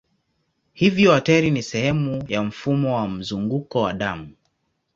Hivyo ateri ni sehemu ya mfumo wa mzunguko wa damu.